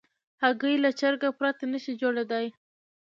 هګۍ له چرګه پرته نشي جوړېدای.